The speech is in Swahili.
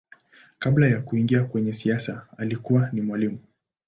Kabla ya kuingia kwenye siasa alikuwa ni mwalimu.